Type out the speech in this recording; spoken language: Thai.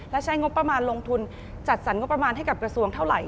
และใช้งบประมาณลงทุนจัดสรรงบประมาณให้กับกระทรวงเท่าไหร่